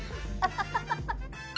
ハハハハ。